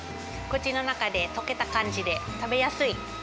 口の中で溶けた感じで、食べやすい。